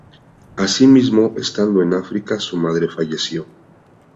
Asimismo, estando en África su madre falleció.